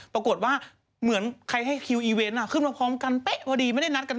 ปรากฏว่าเหมือนใครให้คิวอีเวนต์ขึ้นมาพร้อมกันเป๊ะพอดีไม่ได้นัดกัน